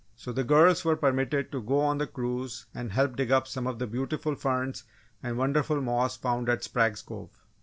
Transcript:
So the girls were permitted to go on the cruise and help dig up some of the beautiful ferns and wonderful moss found at Sprague's Cove.